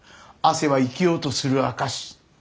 汗は生きようとする証し。